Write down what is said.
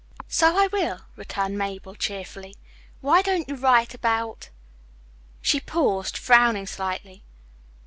"So I will," returned Mabel cheerfully. "Why don't you write about " She paused, frowning slightly.